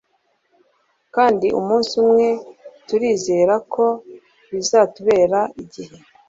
Kandi umunsi umwe turizera ko bizatubera igihe